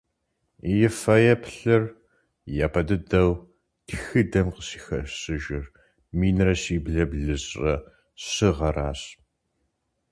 А фэеплъыр япэ дыдэу тхыдэм къыщыхэщыжыр минрэ щиблрэ блыщӏрэ щы гъэращ.